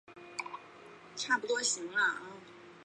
然而这两种囊肿都不是由皮脂腺引起的。